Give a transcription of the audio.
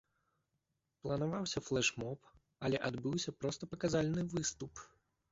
Планаваўся флэш-моб, але адбыўся проста паказальны выступ.